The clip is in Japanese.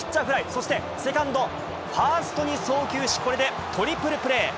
そしてセカンド、ファーストに送球し、これでトリプルプレー。